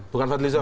bukan fadil john